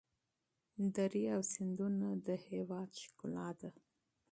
درې او سیندونه د هېواد ښکلا ده.